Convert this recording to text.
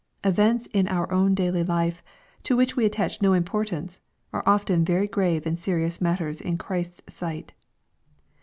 Events in our own daily life, to which we attach no importance, are often very grave and serious matters in Christ's sight.